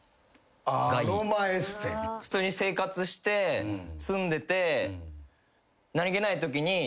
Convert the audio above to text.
普通に生活して住んでて。